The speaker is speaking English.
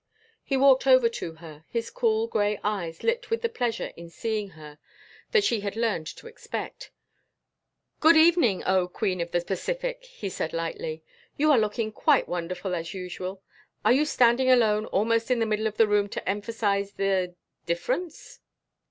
He walked over to her, his cool gray eyes lit with the pleasure in seeing her that she had learned to expect. "Good evening, oh, Queen of the Pacific," he said lightly. "You are looking quite wonderful as usual. Are you standing alone almost in the middle of the room to emphasize the difference?"